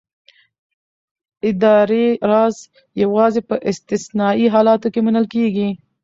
اداري راز یوازې په استثنايي حالاتو کې منل کېږي.